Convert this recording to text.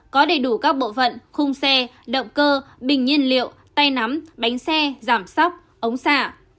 có đầy đủ các bộ phận khung xe động cơ bình nhiên liệu tay nắm bánh xe giảm sóc ống xả